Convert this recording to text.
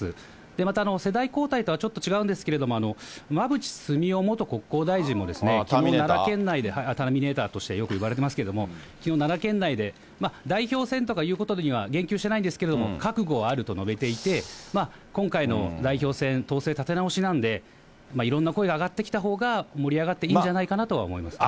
また世代交代とはちょっと違うんですけれども、馬淵澄夫元国交大臣も、きのう、奈良県内で、ターミネーターとしてよくいわれてますけれども、きのう、奈良県内で代表選とかいうことには言及してないんですけども、覚悟はあると述べていて、今回の代表選、党勢立て直しなんで、いろんな声が上がってきたほうが、盛り上がっていいんじゃないかなとは思いますね。